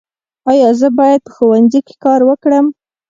ایا زه باید په ښوونځي کې کار وکړم؟